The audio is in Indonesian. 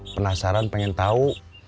penasaran pengen tau